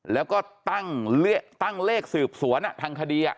แล้วก็ตั้งเลขสืบสวนทางคดี